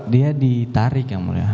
dia ditarik yang mulia